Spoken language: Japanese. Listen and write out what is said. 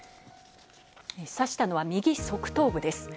刺したのは、右側頭部です。